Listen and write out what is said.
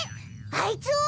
あいつを？